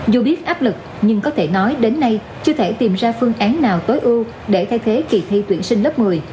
dù biết áp lực nhưng có thể nói đến nay chưa thể tìm ra phương án nào tối ưu để thay thế kỳ thi tuyển sinh lớp một mươi